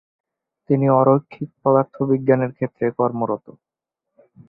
তিনি অরৈখিক পদার্থ বিজ্ঞানের ক্ষেত্রে কর্মরত।